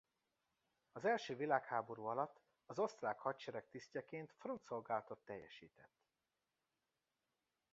Az első világháború alatt az osztrák hadsereg tisztjeként frontszolgálatot teljesített.